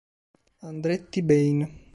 Andretti Bain